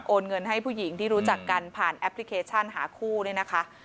เงินให้ผู้หญิงที่รู้จักกันผ่านแอปพลิเคชันหาคู่เนี่ยนะคะ